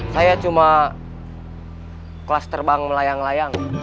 saya cuma kelas terbang melayang layang